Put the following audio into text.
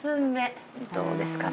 どうですかね？